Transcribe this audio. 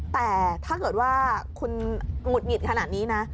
แต่ถ้าเกิดว่าคุณหงุดหงิดขนาดนี้นะ